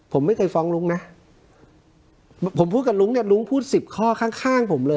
ผมไม่เคยฟ้องลุงนะผมพูดกับลุงเนี่ยลุงพูดสิบข้อข้างข้างผมเลย